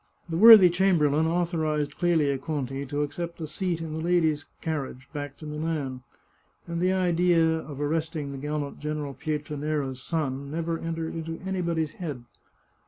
The worthy chamberlain authorized Clelia Conti to accept a seat in the ladies' car riage back to Milan, and the idea of arresting the gallant General Pietranera's son never entered anybody's head.